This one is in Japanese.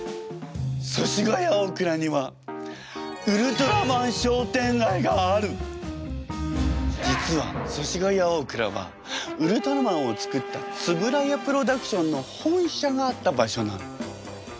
祖師ヶ谷大蔵には実は祖師ヶ谷大蔵はウルトラマンを作った円谷プロダクションの本社があった場所なの。